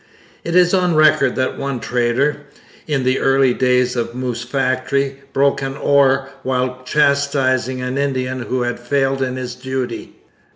It is on record that one trader, in the early days of Moose Factory, broke an oar while chastising an Indian who had failed in his duty.